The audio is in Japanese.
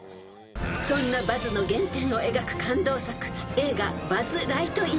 ［そんなバズの原点を描く感動作］